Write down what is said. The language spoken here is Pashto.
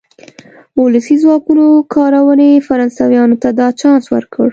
ولسي ځواکونو کارونې فرانسویانو ته دا چانس ورکړ.